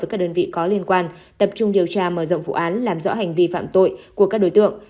các đơn vị có liên quan tập trung điều tra mở rộng vụ án làm rõ hành vi phạm tội của các đối tượng